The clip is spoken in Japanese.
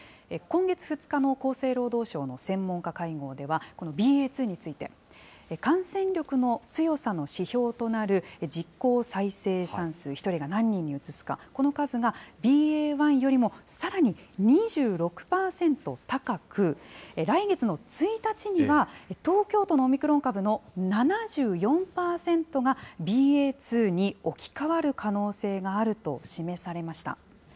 今月２日の厚生労働省の専門家会合では、このＢＡ．２について、感染力の強さの指標となる実効再生産数、１人が何人にうつすか、この数が、ＢＡ．１よりもさらに２６％高く、来月の１日には、東京都のオミクロン株の７４％がＢＡ．２に置き換わる可能性があると示されました。